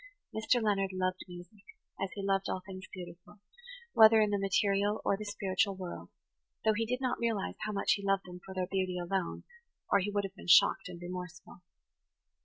Mr. Leonard loved music, as he loved all things beautiful, whether in the material or the spiritual world, though he did not realize how much he loved them for their beauty alone, or he would have been shocked and remorseful.